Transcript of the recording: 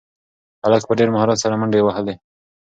هلک په ډېر مهارت سره منډې وهي.